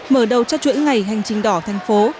mở đầu cho chuỗi ngày hành trình đỏ thành phố